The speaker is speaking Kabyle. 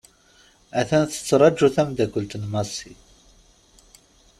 A-t-an tettraju temddakelt n Massi .